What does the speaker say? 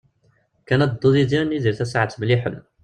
Lukan ad tedduḍ d yid-i ad nidir tasaɛet melliḥen.